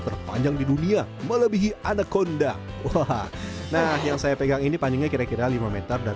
terpanjang di dunia melebihi anakonda wah nah yang saya pegang ini panjangnya kira kira lima m dan